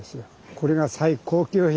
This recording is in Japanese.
これが最高級品。